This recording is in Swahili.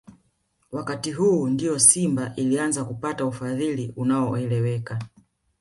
Wakati huu ndio Simba ilianza kupata ufadhili unaoeleweka